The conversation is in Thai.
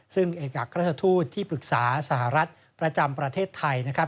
ซึ่งเอกอักราชทูตที่ปรึกษาสหรัฐประจำประเทศไทยนะครับ